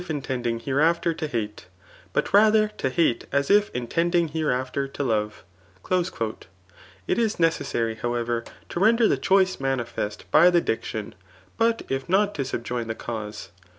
iatsadii^ hereafter to hate, but father to hate as if intending hereafter to love/' It is Bece88ary» hovever^ tcrronder the choice manifest by the diction^ but if nott ta snbjMi the cause.